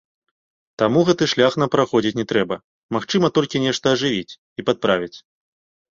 Таму гэты шлях нам праходзіць не трэба, магчыма, толькі нешта ажывіць і падправіць.